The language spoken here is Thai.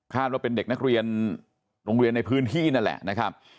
ว่าเป็นเด็กนักเรียนโรงเรียนในพื้นที่นั่นแหละนะครับ